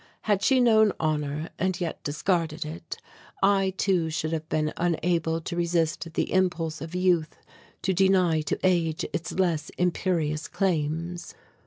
Had she known honour, and yet discarded it, I too should have been unable to resist the impulse of youth to deny to age its less imperious claims.